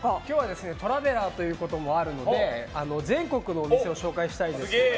今日はトラベラーということもあるので全国のお店を紹介したいんです。